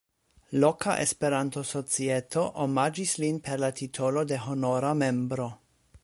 Loka Esperanto-societo omaĝis lin per la titolo de honora membro.